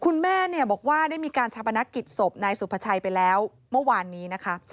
คุณแม่เนี่ยบอกว่าได้มีการชาปนักกิจศพนายสุภาชัยไปแล้วเมื่อวานนี้นะคะ